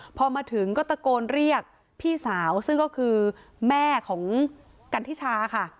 พอมาถึงก็ตะโกนเรียกพี่สาวซึ่งก็คือแม่ของกันทิชาค่ะ